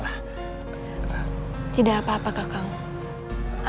aku akan mencoba